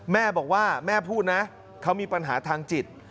แม่บอกว่าแม่พูดนะเขามีปัญหาทางจิต